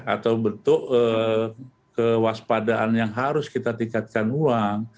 atau bentuk kewaspadaan yang harus kita tingkatkan ulang